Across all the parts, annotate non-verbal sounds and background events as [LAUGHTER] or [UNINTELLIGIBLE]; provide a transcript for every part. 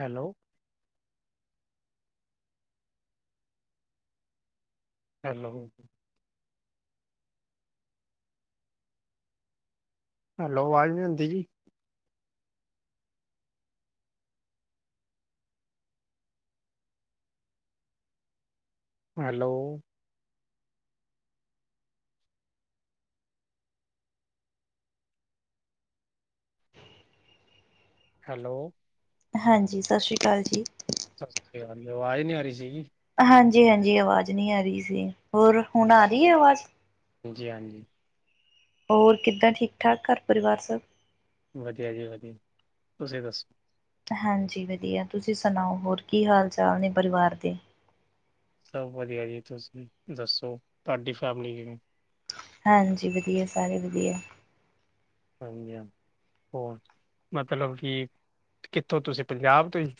Hello. Hello. Hello, ਆਵਾਜ਼ ਨੀ ਆਉਂਦੀ ਜੀ। ਹੈਲੋ। ਹੈਲੋ। ਹਾਂਜੀ। ਸਸ਼੍ਰੀ ਅਕਾਲ ਜੀ। ਸਸ੍ਰੀ ਅਕਾਲ, ਆਵਾਜ਼ ਨੀ ਆ ਰਹੀ ਸੀਗੀ। ਹਾਂਜੀ-ਹਾਂਜੀ। ਆਵਾਜ਼ ਨੀ ਆ ਰਹੀ ਸੀ ਹੋਰ, ਹੁਣ ਆ ਰਹੀ ਐ ਆਵਾਜ਼। ਜੀ ਹਾਂਜੀ। ਔਰ ਕਿੱਦਾਂ, ਠੀਕ-ਠਾਕ ਘਰ ਪਰਿਵਾਰ ਸਭ। ਵਧੀਆ ਜੀ ਵਧੀਆ, ਤੁਸੀਂ ਦੱਸ। ਹਾਂਜੀ ਵਦੀਆ ਤੁਸੀਂ ਸੁਨਾਓ ਹੋਰ ਕੀ ਹਾਲ-ਚਾਲ ਨੇ ਪਰਿਵਾਰ ਦੇ। ਸਬ ਵਦੀਆ ਜੀ, ਤੁਸੀਂ ਦੱਸੋ ਤੁਆਡੀ ਫੈਮਿਲੀ ਕਿਵੇਂ। ਹਾਂਜੀ ਵਦੀਆ ਸਾਰੇ ਵਦੀਆ। ਹਾਂਜੀ ਹਾਂ, ਹੋਰ ਮਤਲਬ ਕੀ ਕਿੱਥੋਂ ਤੁਸੀਂ ਪੰਜਾਬ ਤੋਂ ਈ।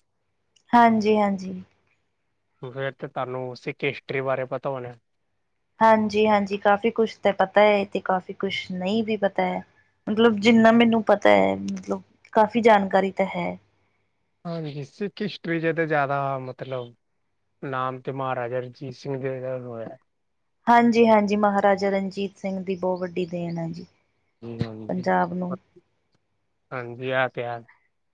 ਹਾਂਜੀ-ਹਾਂਜੀ। ਫੇਰ ਤੇ ਤੁਆਨੂੰ ਸਿੱਖ ਹਿਸਟਰੀ ਬਾਰੇ ਪਤਾ ਹੋਨੇ। ਹਾਂਜੀ-ਹਾਂਜੀ ਕਾਫ਼ੀ ਕੁਛ ਤਾਂ ਪਤਾ ਐ ਤੇ ਕਾਫ਼ੀ ਕੁਛ ਨਈਂ ਵੀ ਪਤਾ ਐ। ਮਤਲਬ ਜਿੰਨਾ ਮੈਨੂੰ ਪਤਾ ਮਤਲਬ ਕਾਫ਼ੀ ਜਾਨਕਾਰੀ ਤਾਂ ਹੈ। ਹਾਂਜੀ ਸਿੱਖ ਹਿਸਟਰੀ ਚ ਤਾਂ ਜਾਦਾ ਮਤਲਬ ਨਾਮ ਤੇ ਮਹਾਰਾਜਾ ਰਣਜੀਤ ਸਿੰਘ ਜੀ ਦਾ ਹੋਇਆ। ਹਾਂਜੀ-ਹਾਂਜੀ ਮਹਾਰਾਜਾ ਰਣਜੀਤ ਸਿੰਘ ਦੀ ਬਹੁ ਵੱਡੀ ਦੇਨ ਆ ਜੀ। ਹਾਂਜੀ-ਹਾਂਜੀ, ਪੰਜਾਬ ਨੂੰ ਹਾਂਜੀ ਐ ਪੇਆ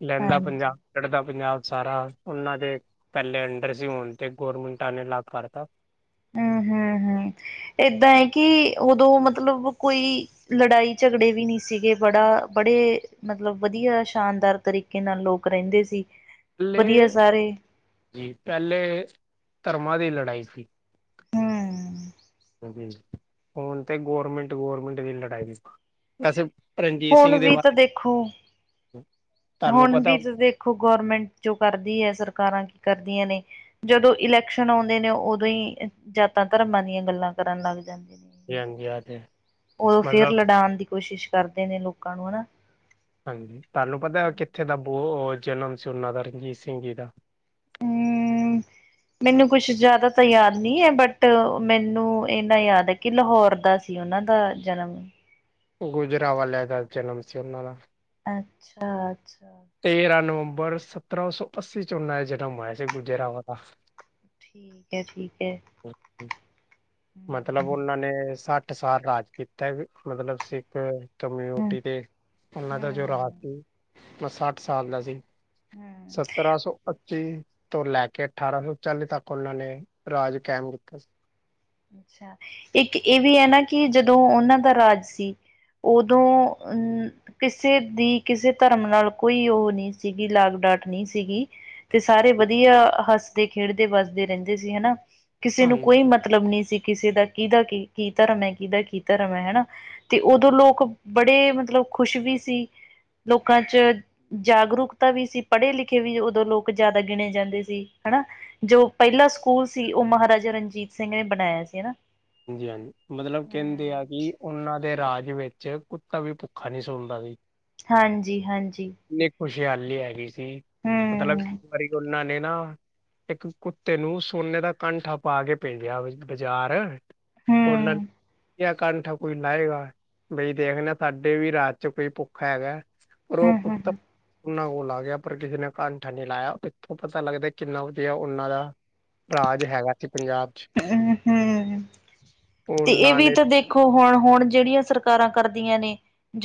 ਲੈਂਦਾ ਹਾਂਜੀ ਪੰਜਾਬ। ਚੜਦਾ ਪੰਜਾਬ ਸਾਰਾ ਓਨਾਂ ਦੇ ਪੈਲੇ ਅੰਡਰ ਸੀ ਹੁਨ ਤੇ ਗੋਰਮਿੰਟਾਂ ਨੇ ਅਲੱਗ ਕਰਤਾ। ਹੂੰ-ਹੂੰ-ਹੂੰ ਏਦਾਂ ਏ ਕੇ ਓਦੋਂ ਮਤਲਬ ਕੋਈ ਲੜਾਈ ਝਗੜੇ ਵੀ ਨੀ ਸੀਗੇ ਬੜਾ ਬੜੇ ਮਤਲਬ ਵਦੀਆ ਸ਼ਾਨਦਾਰ ਤਰੀਕੇ ਨਾਲ ਲੋਕ ਰੈਂਦੇ ਸੀ। ਵਧੀਆ ਪੈਲੇ, ਸਾਰੇ ਜੀ ਪੈਲੇ ਧਰਮਾਂ ਦੀ ਲੜਾਈ ਸੀ। ਹੂੰ ਹੁਨ ਤੇ ਗੌਰਮਿੰਟ-ਗੌਰਮਿੰਟ ਦੀ ਲੜਾਈ ਵੈਸੇ ਰਨਜੀਤ ਹੁਣ ਸਿੰਘ ਦੇ ਵੀ ਬਾ ਹੁਨ ਵੀ ਤਾਂ ਦੇਖੋ ਗੌਰਮੈਂਟ ਜੋ ਕਰਦੀ ਐ ਸਰਕਾਰਾਂ ਕੀ ਕਰਦੀਆਂ ਨੇ। ਜਦੋਂ ਇਲੈਕਸ਼ਨ ਔਂਦੇ ਨੇ ਓਦੋਂ ਈ ਜਾਤਾਂ ਧਰਮਾਂ ਦੀਆਂ ਗੱਲਾਂ ਕਰਨ ਲੱਗ ਜਾਂਦੇ ਨੇ। ਹਾਂਜੀ ਆ ਤੇ ਹੈ। ਓਦੋਂ ਫੇਰ ਮਤਲਬ ਲੜਾਨ ਦੀ ਕੋਸ਼ਿਸ਼ ਕਰਦੇ ਨੇ ਲੋਕਾਂ ਨੂੰ ਹਨਾ। ਹਾਂਜੀ ਤੁਆਨੂੰ ਪਤਾ ਕਿੱਥੇ ਦਾ ਬੂ ਜਨਮ ਸੀ ਓਨਾਂ ਦਾ ਰਣਜੀਤ ਸਿੰਘ ਜੀ ਦਾ। ਹਮ ਮੈਨੂੰ ਕੁਛ ਜਾਦਾ ਤਾਂ ਯਾਦ ਨਈ ਐ ਬਟ ਮੈਨੂੰ ਇੰਨਾ ਯਾਦ ਏ ਕੇ ਲਾਹੌਰ ਦਾ ਸੀ ਓਨਾਂ ਦਾ ਜਨਮ। ਗੁਜਰਾਵਾਲੇਆਂ ਦਾ ਜਨਮ ਸੀ ਓਨਾਂ ਦਾ। ਅੱਛਾ-ਅੱਛਾ। ਤੇਰਾਂ ਨਵੰਬਰ ਸਤਰਾਂ ਸੌ ਅੱਸੀ ਚ ਓਨਾਂ ਜਨਮ ਹੋਏਆ ਸੀ ਗੁਜਰਾਂਵਾਲਾ। ਠੀਕ ਐ-ਠੀਕ ਐ। [INAUDIBLE] ਮਤਲਬ ਓਨਾਂ ਨੇ ਸੱਠ ਸਾਲ ਰਾਜ ਕੀਤਾ, ਮਤਲਬ ਸਿੱਖ ਹਮ ਕੰਮਿਊਨਟੀ ਤੇ ਓਨਾਂ ਦਾ ਜੋ ਰਾਜ ਹਮ ਸੀ, ਮ ਸੱਠ ਸਾਲ ਦਾ ਸੀ। ਹਮ ਸਤਰਾਂ ਸੌ ਪੱਚੀ ਤੋਂ ਲੈ ਕੇ ਠਾਰਾਂ ਸੌ ਚਾਲੀ ਤੱਕ ਓਨਾਂ ਨੇ ਰਾਜ ਕੈਮ ਕੀਤਾ ਸੀ। ਅੱਛਾ, ਇੱਕ ਏ ਵੀ ਐ ਨਾ ਕੇ ਜਦੋਂ ਓਨਾਂ ਦਾ ਰਾਜ ਸੀ ਓਦੋਂ ਕਿਸੇ ਦੀ ਕਿਸੇ ਧਰਮ ਨਾਲ ਕੋਈ ਓ ਨਈਂ ਸੀਗੀ ਲਾਗ ਡਾਟ ਨਈ ਸੀਗੀ। ਤੇ ਸਾਰੇ ਵਦੀਆ ਹੱਸਦੇ-ਖੇਡਦੇ ਵੱਸਦੇ ਰੈਂਦੇ ਸੀ ਹਨਾ ਕਿਸੇ ਨੂੰ ਹਾਂਜੀ ਕੋਈ ਮ ਮਤਲਬ ਨਈਂ ਸੀ ਕਿਸੇ ਦਾ ਕਿਦਾ ਕੀ-ਕੀ ਧਰਮ ਐ ਕਿਦਾ ਕੀ ਧਰਮ ਐ ਹਨਾ। ਤੇ ਓਦੋਂ ਲੋਕ ਬੜੇ ਮਤਲਬ ਖ਼ੁਸ਼ ਵੀ ਸੀ ਲੋਕਾਂ ਚ ਜਾਗਰੂਕਤਾ ਵੀ ਸੀ ਪੜ੍ਹੇ ਲਿਖੇ ਵੀ ਉਦੋਂ ਲੋਕ ਜਾਦਾ ਗਿਣੇ ਜਾਂਦੇ ਸੀ ਹਨਾ। ਜੋ ਪੈਲਾ ਸਕੂਲ ਸੀ ਓ ਮਹਾਰਾਜਾ ਰਣਜੀਤ ਸਿੰਘ ਨੇ ਬਨਾਏਆ ਸੀ ਹਨਾ। ਹਾਂਜੀ-ਹਾਂਜੀ ਮਤਲਬ ਕੈਂਦੇ ਹੂੰ, ਆ ਕੇ ਓਨਾਂ ਦੇ ਰਾਜ ਵਿੱਚ ਕੁੱਤਾ ਵੀ ਭੁੱਖਾ ਨੀ ਸੋਂਦਾ ਸੀ। ਹਾਂਜੀ-ਹਾਂਜੀ। ਇੰਨੀ ਖੁਸ਼ਹਾਲੀ ਹੈਗੀ ਸੀ, ਮਤਲਬ ਹੂੰ, ਇੱਕ ਵਾਰੀ ਉਹਨਾਂ ਨੇ ਨਾ, ਇੱਕ ਕੁੱਤੇ ਨੂੰ ਸੋਨੇ ਦਾ, ਕਾੰਠਾਂ ਪਾ ਕੇ ਭੇਜਿਆ ਬਾਜ਼ਾਰ, ੳਲਨ ਹੂੰ। ਜਾਂ ਕਾੰਠਾਂ ਕੋਈ ਲਾਏਗਾ। ਬਈ ਦੇਖਨੇ ਹਾਂ, ਸਾਡੇ ਵੀ ਰਾਜ ਚ ਕੋਈ ਭੁੱਖਾ ਹੈਗੈ। ਰੋਕ [UNINTELLIGIBLE] ਹਮ-ਹਮ! [UNINTELLIGIBLE] ਉਨਾਂ ਕੋਲ ਆ ਗਯਾ, ਪਰ ਕਿਸੇ ਨੇ ਕਾਂਠਾ ਨੀ ਲਾਯਾ, ਇਥੋਂ ਪਤਾ ਲੱਗਦਾ, ਕਿੰਨਾ ਵਦੀਆ ਉਨਾਂ ਦਾ ਰਾਜ ਹੈਗਾ ਸੀ, ਪੰਜਾਬ ਚ [UNINTELLIGIBLE] ਤੇ ਇਹ ਉਹਨਾਂ ਵੀ ਨੇ ਤਾਂ ਦੇਖੋ ਹੁਣ, ਹੁਣ ਜਿਹੜੀਆਂ ਸਰਕਾਰਾਂ ਕਰਦੀਆਂ ਨੇ,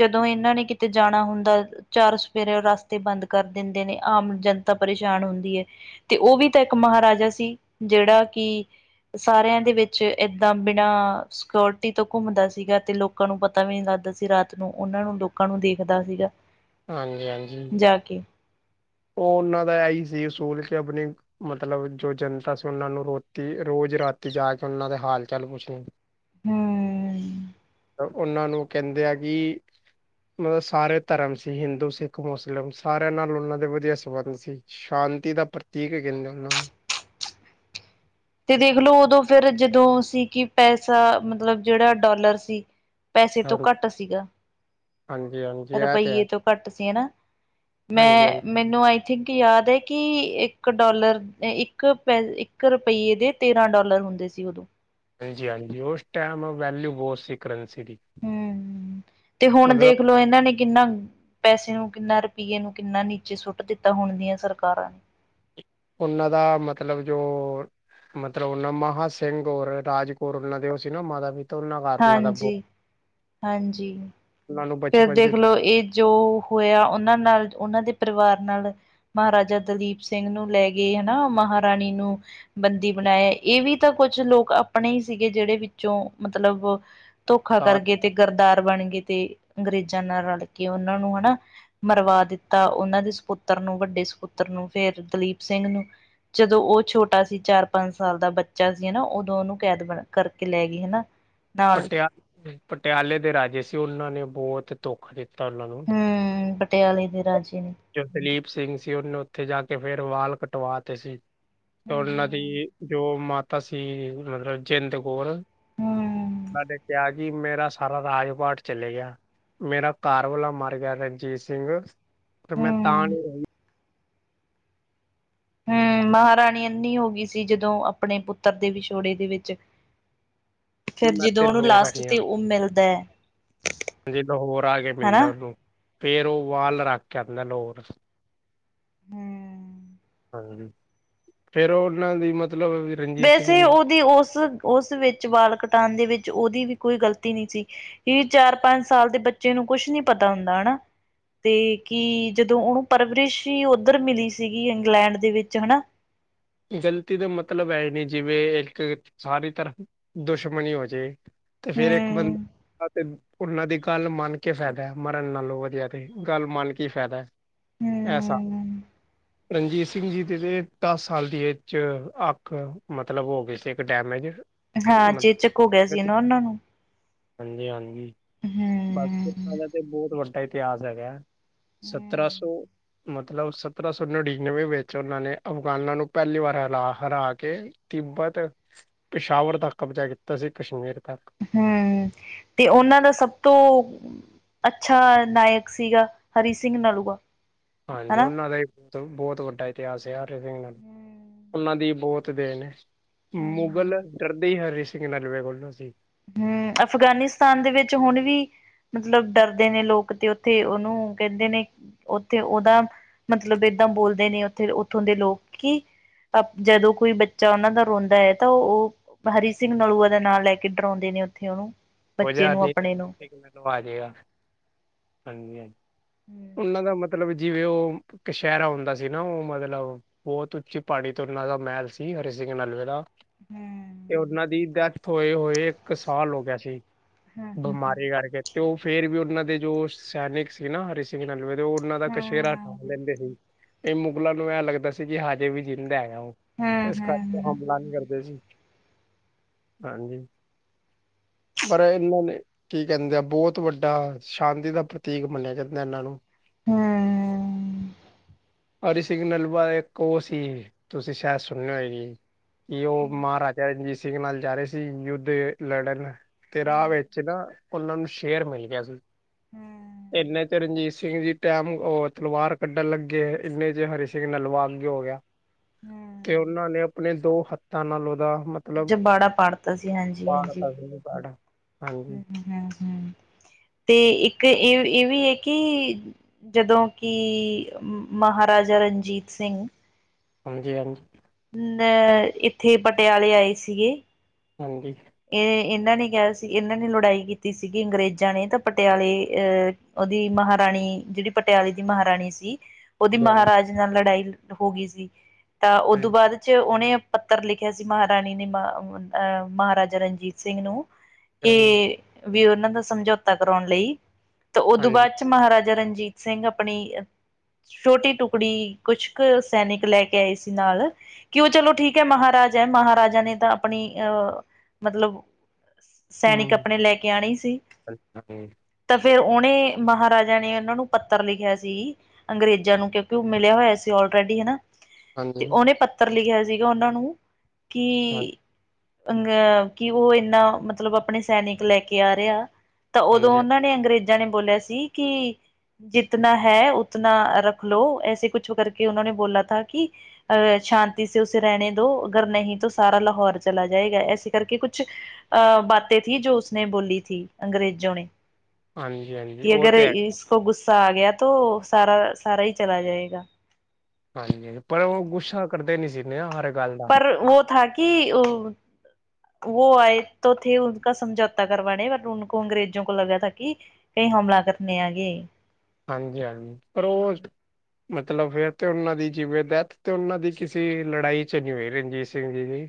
ਜਦੋਂ ਏਨਾਂ ਨੇ, ਕਿਤੇ ਜਾਣਾ ਹੋਂਦਾ ਚਾਰ ਸਫੇਰੇ ਰਸਤੇ ਬੰਦ ਕਰ ਦਿੰਦੇ ਨੇ, ਆਮ ਜਨਤਾ ਪਰੇਸ਼ਾਨ ਹੁੰਦੀ ਹੈ, ਤੇ ਉਹ ਵੀ ਤਾਂ ਇੱਕ ਮਹਾਰਾਜਾ ਸੀ। ਜਿਹੜਾ ਕਿ ਸਾਰਿਆਂ ਦੇ ਵਿੱਚ ਇਹਦਾਂ ਬਿ ਨਾ ਸਕਿਓਰਟੀ ਤੋਂ ਘੁੰਮਦਾ ਸੀਗਾ। ਤੇ ਲੋਕਾਂ ਨੂੰ ਪਤਾ ਵੀ ਨੀ ਲੱਗਦਾ ਸੀ। ਰਾਤ ਨੂੰ ਉਹਨਾਂ ਨੂੰ ਲੋ ਲੋਕਾਂ ਨੂੰ ਦੇਖਦਾ ਸੀਗਾ, ਹਾਂਜੀ-ਹਾਂਜੀ। ਤਾਕੀ [UNINTELLIGIBLE] ਉਹ ਉਹਨਾਂ ਦਾ ਇਹੀ ਸੀ, ਅਸੂਲ ਕੇ ਆਪਣੀ, ਮਤਲਬ ਜੋ ਜਨਤਾ ਸੀ, ਉਹਨਾਂ ਨੂੰ ਰੋਟੀ, ਰੋਜ ਰਾਤੀ ਜਾ ਕੇ ਉਹਨਾਂ ਦੇ, ਹਾਲ ਚਾਲ ਪੁੱਛਨੇ। ਹਮ! [UNINTELLIGIBLE] ਉਹਨਾਂ ਨੂੰ, ਕਹਿੰਦੇ ਆ ਬੀ, ਮਤਲਬ ਸਾਰੇ ਧਰਮ ਸੀ, ਹਿੰਦੂ, ਸਿੱਖ ਮੁਸਲਿਮ, ਸਾਰਿਆਂ ਨਾਲ ਉਹਨਾਂ ਦੇ, ਦੇ ਸਵੰਗ [UNINTELLIGIBLE] ਸੀ, ਸ਼ਾਂਤੀ ਦਾ ਪ੍ਰਤੀਕ ਵੀ ਕਹਿੰਦੇ ਹੈਂ, ਉਹਨਾਂ ਨੂੰ। ਤੇ ਦੇਖਲੋ ਉਦੋਂ ਫਿਰ ਜਦੋਂ ਸੀ, ਕਿ ਪੈਸਾ ਮਤਲਬ ਜਿਹੜਾ ਡੋਲਰ ਸੀ, ਪੈਸੇ ਤੋਂ ਘੱਟ ਸੀਗਾ, ਹਾਂਜੀ, ਹਾਂ। ਰੁਪਈਏ ਤੋਂ ਘੱਟ ਸੀ ਹੈਨਾ ਮੈਂ, ਹਾਂਜੀ-ਹਾਂਜੀ, ਮੈਨੂੰ ਆਈ ਥਿੰਕ ਯਾਦ ਏ, ਕਿ ਇੱਕ ਡਾਲਰ ਇੱਕ ਪੈ ਈ ਇੱਕ ਰੁਪਈਏ ਦੇ, ਤੇਰਾਂ ਡੋਲਰ ਹੁੰਦੇ ਸੀ ਉਦੋਂ। ਹਾਂਜੀ-ਹਾਂਜੀ ਉਸ ਟਾਈਮ ਵੈਲਿਊ ਬਹੁਤ ਸੀ। ਕਰੰਸੀ ਦੀ। ਹਮ ਤੇ ਹੁਣ ਮਤਲਬ ਦੇਖ ਲੋ। ਇਹਨਾਂ ਨੇਂ ਕਿੰਨਾ ਪੈਸੇ ਨੂੰ, ਕਿੰਨਾ ਰੁਪਈਏ ਨੂੰ, ਕਿੰਨਾ ਨੀਚੇ ਸੁੱਟ ਦਿੱਤਾ। ਹੁਣ ਦੀਆਂ ਸਰਕਾਰਾਂ ਨੇ, ਉਹਨਾਂ ਦਾ ਮਤਲਬ ਜੋ, ਮਤਲਬ ਉਹ ਨਾ, ਮਹਾ ਸਿੰਘ ਔਰ ਰਾਜ ਕੌਰ ਉਹਨਾਂ ਦੇ, ਉਹ ਸੀ ਨਾ ਮਾਤਾ ਵੀ ਹਾਂਜੀ- ਹਾਂਜੀ, ਉਹਨਾਂ ਨੂੰ ਫਿਰ ਬਚਪਨ ਦੇਖ ਚ ਲਓ ਇਹ ਜੋ ਹੋਇਆ। ਉਹਨਾਂ ਨਾਲ, ਉਹਨਾਂ ਦੇ ਪਰਿਵਾਰ ਨਾਲ, ਮਹਾਰਾਜਾ ਦਿਲੀਪ ਸਿੰਘ ਨੂੰ ਲੈ ਗਏ। ਹੈਨਾ! ਮਹਾਰਾਣੀ ਨੂੰ। ਬੰਦੀ ਬਣਾਯਾ, ਏ ਵੀ ਤਾਂ ਕੁੱਛ ਲੋਕ ਆਪਣੇ ਈ ਸੀਗੇ। ਜਹੜੇ ਵਿੱਚੋਂ ਮਤਲਬ ਧੋਖਾ ਸਾਥ ਕਰਕੇ ਤੇ, ਗਰਦਾਰ ਬਣ ਗਏ ਤੇ ਅੰਗਰੇਜ਼ਾਂ ਨਾਲ ਰਲ ਕੇ, ਉਹਨਾਂ ਨੂੰ ਹੈਨਾ ਮਰਵਾ ਦਿੱਤਾ ਉਹਨਾਂ ਦੇ ਸਪੁੱਤਰ ਨੂੰ, ਵੱਡੇ ਸਪੁੱਤਰ ਨੂੰ, ਫਿਰ ਦਲੀਪ ਸਿੰਘ ਨੂੰ, ਜਦੋਂ ਉਹ ਛੋਟਾ ਸੀ। ਚਾਰ- ਪੰਜ ਸਾਲ ਦਾ ਬੱਚਾ ਸੀ। ਹੈਨਾ! ਉਦੋਂ ਉਹਨੂੰ ਕੈਦ ਕਰਕੇ ਲੈ ਗਈ। ਹੈਨਾ! ਪਟਯਾ ਪਟਿਆਲੇ ਦੇ ਰਾਜੇ ਸੀ, ਉਨਾਂ ਨੇ ਬੋਤ ਦੁਖ ਦਿੱਤਾ ਉਨਾਂ ਨੂੰ ਹੈ। ਪਟਿਆਲੇ ਦੇ ਰਾਜੇ ਨੇ, ਜੋ ਦਲੀਪ ਸਿੰਘ ਸੀ, ਉਹਨੇ ਉੱਥੇ ਜਾ ਕੇ ਫੇਰ ਵਾਲ ਕਟਵਾ ਤੇ ਸੀ। ਤੇ ਉਹਨਾਂ ਦੀ- ਜੋ ਮਾਤਾ ਸੀ, ਮਤਲਬ ਜਿੰਦ ਕੌਰ ਹੂੰ-ਹੂੰ-ਹੂੰ-ਹੂੰ। ਸਾਡੇ ਕਿਆ ਜੀ ਮੇਰਾ ਸਾਰਾ ਰਾਜ-ਪਾਟ ਚਲੇ ਗਿਆ। ਮੇਰਾ ਕ੍ਹਾਰਵਾਲਾ ਮਰ ਗਿਆ ਰਣਜੀਤ ਸਿੰਘ ਤੇ ਮੈਂ ਤਾਂ ਹੂੰ ਨੀ ਰਈ ਹਮ, ਮਹਾਰਾਣੀ ਅੰਨੀ ਹੋ ਗੀ ਸੀ, ਜਦੋਂ ਆਪਣੇ ਪੁੱਤਰ ਦੇ ਵਿਛੋੜੇ ਦੇ ਵਿੱਚ ਹ ਫੇਰ ਜੀਦੋਂ ਓਨੂੰ ਲਾਸਟ ਤੇ ਓ ਮਿਲਦੈ ਲਹੌਰ ਆ ਕੇ ਮਿਲਦੈ ਹੂੰ। ਓਨੂੰ ਫੇਰ ਓ ਵਾਲ ਰੱਖ ਕੇ ਆਂਦੈ ਲੌਰ ਹਮ ਹਾਂਜੀ ਫੇਰ ਓਨਾਂ ਦੀ ਮਤਲਬ ਰਣਜੀਤ ਸਿੰਘ ਵੈਸੇ ਜੀ ਦੀ ਓਦੀ ਉਸ ਉਸ ਵਿੱਚ ਵਾਲ ਕਟਾਣ ਦੇ ਵਿੱਚ ਓਦੀ ਵੀ ਕੋਈ ਗਲਤੀ ਨੀ ਸੀ ਏ ਚਾਰ-ਪੰਜ ਸਾਲ ਦੇ ਬੱਚੇ ਨੂੰ ਕੋਛ ਨੀ ਪਤਾ ਹੁੰਦਾ ਹਨਾ ਤੇ ਕੀ ਜਦੋਂ ਓਨੂੰ ਪਰਵਰਿਸ਼ ਹੀ ਓਧਰ ਮਿਲੀ ਸੀਗੀ ਇੰਗਲੈਂਡ ਦੇ ਵਿੱਚ ਹਨਾ ਗਲਤੀ ਦਾ ਮਤਲਬ ਐ ਈ ਨੀ ਜਿਵੇਂ ਇੱਕ ਸਾਰੀ ਤਰ ਦੁਸ਼ਮਣੀ ਓ ਜੇ ਤੇ ਫੇਰ ਏਕ ਹੂੰ-ਹੂੰ ਬੰਦਾ ਤੇ ਉੰਨਾਂ ਦੀ ਗੱਲ ਮੰਨ ਕੇ ਫੈਦੈ, ਮਰਨ ਨਾਲੋ ਵਧੀਆ ਤੇ ਗੱਲ ਮੰਨ ਕੇ ਈ ਫੈਦੈ। ਐਸਾ ਰਨਜੀਤ ਸਿੰਘ ਜੀ ਦੇ ਤੇ ਟਸ ਸਾਲ ਦੀ ਏਜ 'ਚ ਅੱਖ ਮਤਲਬ ਓ ਹੋ ਗਈ ਸੀ ਇੱਕ ਡੈਮੇਜ ਹਾਂ ਚੇਚਕ ਹੋ ਗਿਆ ਸੀ ਨਾ ਓਨਾਂ ਨੂੰ ਹਾਂਜੀ ਹਾਂਜੀ, ਬਾਕੀ ਹੂੰ। ਓਨਾਂ ਦਾ ਤੇ ਬੋਤ ਵੱਡਾ ਇਤਿਆਸ ਐਗੈ। ਸੱਤਰਾਂ ਸੌ ਹੂੰ ਮਤਲਬ ਸੱਤਰਾਂ ਸੌ ਨੜਿਨਵੇਂ ਵਿੱਚ ਓਨਾਂ ਨੇ ਅਫਗਾਨਾਂ ਨੂੰ ਪੈਲੀ ਵਾਰ ਹਰਾ ਹਰਾ ਕੇ ਤਿੱਬਤ ਪੀਸ਼ਾਵਰ ਤੱਕ ਕਬਜ਼ਾ ਕੀਤਾ ਸੀ ਕਸ਼ਮੀਰ ਤੱਕ ਹਮ ਤੇ ਓਨਾਂ ਦਾ ਸਭ ਤੋਂ ਅੱਛਾ ਨਾਇਕ ਸੀਗਾ ਹਰੀ ਸਿੰਘ ਨਲੂਆ ਹਾਂਜੀ, ਹਨਾ। ਓਨਾਂ ਦਾ ਈ ਬ ਬੋਤ ਵੱਡਾ ਇਤੀਆਸ ਹੈ ਹਰੀ ਸਿੰਘ ਨਲ ਓਨਾਂ ਦੀ ਬੋਤ ਟੇ ਨੇ ਹੂੰ ਮੁਗਲ ਡਰਦੇ ਈ ਹਰੀ ਸਿੰਘ ਨਲਵੇ ਕੋਲੋਂ ਸੀ। ਹਮ ਅਫਗਾਨਿਸਤਾਨ ਦੇ ਵਿੱਚ ਹੁਣ ਵੀ ਮਤਲਬ ਡਰਦੇ ਨੇ ਲੋਕ ਤੇ ਓਥੇ ਓਨੂੰ ਕੈਂਦੇ ਨੇ ਓਥੇ ਓਦਾ ਮਤਲਬ ਏਦਾਂ ਬੋਲਦੇ ਨੇ ਉੱਥੇ ਉੱਥੋਂ ਦੇ ਲੋਕ ਕੀ ਜਦੋਂ ਕੋਈ ਬੱਚਾ ਓਨਾਂ ਦਾ ਰੋਂਦਾ ਐ ਤਾਂ ਓ ਹਰੀ ਸਿੰਘ ਨਲੂਏ ਦਾ ਨਾਂ ਲੈ ਕੇ ਕਿ ਡਰੌਂਦੇ ਨੇ ਓਥੇ ਓਨੂੰ ਹੋ ਜਾ [INAUDIBLE] ਆ ਜੇਗਾ ਹਾਂਜੀ ਹਾਂਜੀ ਹਮ ਉਂਨਾਂ ਦਾ ਮਤਲਬ ਜਿਵੇਂ ਓ ਕਛੈਰਾ ਹੁੰਦਾ ਸੀ ਨਾ ਓ ਮਤਲਬ ਬੋਤ ਉੱਚੀ ਪ੍ਹਾੜੀ ਤੋਂ ਓਨਾਂ ਦਾ ਮ੍ਹੈਲ ਸੀ ਹਰੀ ਸਿੰਘ ਨਲਵੇ ਦਾ ਹਮ ਤੇ ਓਨਾਂ ਦੀ ਦੈਥ ਓਏ ਓਏ ਇੱਕ ਸਾਲ ਹੋ ਗਿਆ ਸੀ। ਹੂੰ ਹੂੰ ਹੂੰ ਬਿਮਾਰੀ ਕਰਕੇ ਤੇ ਓ ਫੇਰ ਵੀ ਓਨਾਂ ਦੇ ਜੋ ਸੈਨਿਕ ਸੀ ਨਾ ਹਰੀ ਸਿੰਘ ਨਲਵੇ ਦੇ ਓ ਉਨਾਂ ਦਾ ਕਛੈਰਾ ਟਂਗ ਲੈਂਦੇ ਸੀ ਤੇ ਮੁਗਲਾਂ ਨੂੰ ਐ ਲੱਗਦਾ ਸੀ ਕੀ ਹਜੇ ਵੀ ਜਿੰਦਾ ਹੈਗਾ ਓ ਏਸ ਕਰਕੇ ਹਮਲਾ ਨੀ ਕਰਦੇ ਸੀ, ਹਾਂਜੀ ਪਰ ਏਨਾਂ ਨੇ ਕੀ ਕੈਂਦੇ ਆ ਬੋਤ ਵੱਡਾ ਸ਼ਾਂਤੀ ਦਾ ਪ੍ਰਤੀਕ ਮੰਨਿਆ ਜਾਂਦੈ ਏਨਾਂ ਨੂੰ ਹਮ ਹਰੀ ਸਿੰਘ ਨਲੂਊ ਇੱਕ ਓ ਸੀ ਤੁਸੀਂ ਸ਼ੈਦ ਸੁਣੇ ਓਏ ਗੀ ਕੀ ਓ ਮ੍ਹਾਰਾਜਾ ਰਣਜੀਤ ਸਿੰਘ ਨਾਲ ਜਾ ਰਹੇ ਸੀ ਯੁੱਧ ਲੜਨ ਤੇ ਰਾ ਵਿੱਚ ਸੀਗਾ ਓਨਾਂ ਨੂੰ ਸ਼ੇਰ ਮੇਲ ਗਿਆ ਸੀ, ਇੰਨੇ ਚ ਰਨਜੀਤ ਸਿੰਘ ਜੀ ਟੈਮ ਓ ਤਲਵਾਰ ਕੱਢਣ ਲੱਗੇ ਇੰਨੇ ਚ ਹਰੀ ਸਿੰਘ ਨਲੂਆ ਅੱਗੇ ਹੋ ਗਯਾ। ਹੂੰ। ਤੇ ਓਨਾਂ ਨੇ ਅਪਨੇ ਦੋ ਹੱਥਾਂ ਨਾਲ ਓਦਾ ਜਬਾੜਾ ਪਾੜ ਤਾ ਸੀ ਹਾਂਜੀ-ਹਾਂਜੀ। ਸੀ ਪਾੜ ਹਾਂਜੀ ਹੂੰ-ਹੂੰ-ਹੂੰ। ਤੇ ਇੱਕ ਏ ਈਵੀ ਐਕਿ ਜਦੋਂ ਕਿ ਮਹਾਰਾਜਾ ਰਨਜੀਤ ਸਿੰਘ ਹਾਂਜੀ-ਹਾਂਜੀ ਅ ਏਥੇ ਪਟਿਆਲੇ ਆਏ ਸੀਗੇ ਹੰਜੀ। ਏ ਏਨਾਂ ਨੇ ਕਿਆ ਸੀ ਏਨਾਂ ਨੇ ਲੜਾਈ ਕੀਤੀ ਸੀਗੀ ਅੰਗਰੇਜ਼ਾਂ ਨੇ ਤਾਂ ਪਟਿਆਲੇ ਅ ਓਦੀ ਮਹਾਰਾਨੀ ਜੇੜੀ ਪਟਿਆਲੇ ਦੀ ਮਹਾਰਾਨੀ ਸੀ ਓਦੀ ਹਾਂਜੀ ਮਹਾਰਾਜ ਨਾਲ ਲੜਾਈ ਹੋਗੀ ਸੀ ਤਾਂ ਉਦੋਂ ਹਾਂਜੀ ਬਾੱਦ ਚ ਓਨੇ ਪੱਤਰ ਲਿਖਿਆ ਸੀ ਮਾਹਾਰਾਨੀ ਨੇ ਅ ਮਹਾਰਾਜਾ ਰਨਜੀਤ ਸਿੰਘ ਨੂੰ ਹਾਂਜੀ ਕੈ ਵੀ ਓਨਾਂ ਦਾ ਸਮਝੌਤਾ ਕਰਾਉਨ ਲਈ ਤੇ ਉਦੋਂ ਹਾਂਜੀ ਬਾਦ ਮਹਾਰਾਜਾ ਰਨਜੀਤ ਸਿੰਘ ਅਪਨੀ ਛੋਟੀ ਟੁਕੜੀ ਕੁਛ ਕ ਸੈਨਿਕ ਲੈਕੇ ਆਏ ਸੀ ਨਾਲ ਕਿਉ ਚਲੋ ਠੀਕੈ, ਮਹਾਰਾਜ ਏ ਮਹਾਰਾਜਾ ਨੇ ਤਾਂ ਅਪਨੀ ਅ ਮਤਲਬ ਸੈਨਿਕ ਹਮ ਅਪਨੇ ਲੈਕੇ ਆਨੇ ਈ ਸੀ। ਹਾਂਜੀ ਤਾਂ ਫੇਰ ਓਨੇ ਮਹਾਰਾਜਾ ਨੇ ਓਨਾਂ ਨੂੰ ਪੱਤਰ ਲਿਖਿਆ ਸੀ ਅੰਗਰੇਜ਼ਾਂ ਨੂੰ ਕਿਉਂਕਿ ਓ ਮਿਲਿਆ ਹੋਇਆ ਸੀ ਅੋਲਰੇਡੀ, ਹਨਾ। ਹਾਂਜੀ ਤੇ ਓਨੇ ਪੱਤਰ ਲਿਖਿਆ ਸੀਗਾ ੳਨਾਂ ਨੂੰ ਕਿ ਹਾਂ ਅ ਅਹ ਕਿ ਉਹ ਇੰਨਾ ਮਤਲਬ ਆਪਣੇ ਸੈਨਿਕ ਲੈਕੇ ਆ ਰਿਆ ਤਾਂ ਓਦੋਂ ਹਾਂਜੀ ਉਨਾਂ ਨੇ ਅੰਗਰੇਜ਼ਾਂ ਨੇ ਬੋਲੇਆ ਸੀ ਕਿ ਜਿਤਨਾ ਹੈ ਉਤਨਾ ਰੱਖ ਲੋੋ ਐਸੇ ਕੁਛ ਕਰਕੇ ਉਨੋ ਨੇ ਬੋਲਾ ਥਾ ਕਿ ਅ ਸ਼ਾਂਤੀ ਸੇ ਉੇਸੇ ਰੈਹਨੇ ਦੋ ਅਗਰ ਨਹੀਂ ਤੋ ਸਾਰਾ ਲਾਹੌਰ ਚਲਾ ਜਾਏਗਾ ਇਸੇ ਕਰਕੇ ਕੁਛ ਕੁਛ ਅ ਬਾਤੇ ਥੀ ਜੋ ਉਸਨੇ ਬੋਲੀ ਥੀ ਅੰਗਰੇਜੋਂ ਨੇ। ਹਾਂਜੀ ਹਾਂਜੀ ਕਿ ਉਹ ਅਗਰ ਤੇ ਹੈ ਇਸ ਕੋ ਗੁੱਸਾ ਆ ਗਯਾ ਤੋ ਸਾਰਾ ਸਾਰਾ ਈ ਚਲਾ ਜਾਏਗਾ। ਹਾਂਜੀ ਹਾਂ ਪਰ, ਉ ਗੁੱਸਾ ਕਰਦੇ ਨੀ ਸੀਨੇ ਆ ਹਰ ਗੱਲ ਦਾ। ਪਰ ਓ ਥਾ ਕਿ ਵੋ ਆਏ ਤੋ ਥੇ ਉਨਕਾ ਸਮਝੌਤਾ ਕਰਵਾਨੇ ਬਟ, ਅੰਗਰੇਜੋ ਕੋ ਲਗਾ ਥਾ ਕਿ ਕੀ ਯੇ ਹਮਲਾ ਕਰ ਨੇ ਆਗੇ। ਹਾਂਜੀ-ਹਾਂਜੀ, ਪਰ ਓ ਮਤਲਬ ਫੇਰ ਤੇ ਓਨਾਂ ਦੀ ਜਿਵੇ ਡੈਥ ਤੇ ਓਨਾਂ ਦੀ ਕਿਸੇ ਲੜਾਈ ਚ ਨੀ ਹੋਈ ਰਨਜੀਤ ਸਿੰਘ ਜੀ ਦੀ।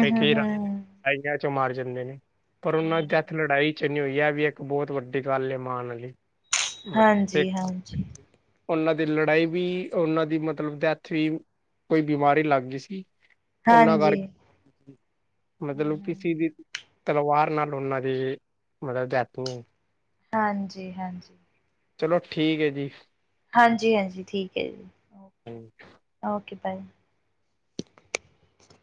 [UNINTELLIGIBLE] ਚੋਂ ਮਾਰ ਜਾਂਦੇ ਨੇ ਪਰ ਓਨਾਂ ਦੀ ਡੈਥ ਲੜਾਈ ਚ ਨੀਂ ਹੋਈ, ਆ ਵੀ ਇੱਕ ਬੋਤ ਵੱਡੀ ਗੱਲ ਏ ਮਾਨ ਆਲੀ। ਹਾਂਜੀ ਹਾਂਜੀ [UNINTELLIGIBLE] ਓਨਾਂ ਦੀ ਲੜਾਈ ਵੀ ਓਨਾਂ ਦੀ ਮਤਲਬ ਡੈਥ ਵੀ ਕੋਈ ਬਿਮਾਰੀ ਲੱਗ ਗੀ ਸੀ। ਓਨਾਂ ਹਾਂਜੀ ਕਾਰ, ਹੂੰ ਮਤਲਬ ਕਿਸੀ ਦੀ ਹੂੰ ਤਲਵਾਰ ਨਾਲ ਓਨਾਂ ਦੀ ਮਤਲਬ ਡੈਥ ਨਈਂ ਹੋਈ। ਹਾਂਜੀ-ਹਾਂਜੀ। ਚਲੋ, ਠੀਕ ਏ ਜੀ। ਹਾਂਜੀ- ਹਾਂਜੀ ਠੀਕ ਐ ਜੀ ਓਕੇ- ਓਕੇ ਬਾਏ।